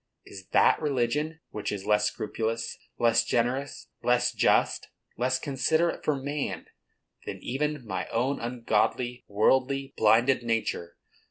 Is that religion, which is less scrupulous, less generous, less just, less considerate for man, than even my own ungodly, worldly, blinded nature?